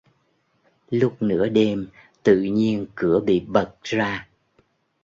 Lúc nửa đêm tự nhiên cửa bị bật ra